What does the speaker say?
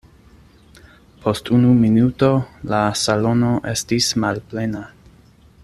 Post unu minuto la salono estis malplena.